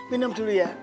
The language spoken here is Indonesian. minum dulu ya